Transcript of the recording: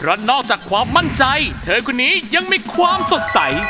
เพราะนอกจากความมั่นใจเธอคนนี้ยังมีความสดใส